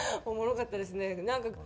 おもろかったですね。